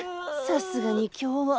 さすがに今日は。